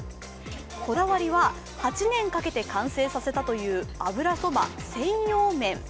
こだわりは８年かけて完成させたという油そば専用麺。